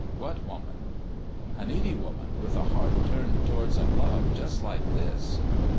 "' What woman ?'"' A needy woman with a heart turned towards a love just like this.'